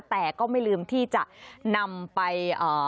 แต่ก็ไม่ลืมที่จะนำไป